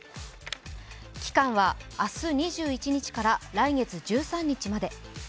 期間は明日２１日から来月１３日まで。